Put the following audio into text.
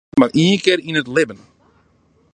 Soks slagget mar ien kear yn it libben.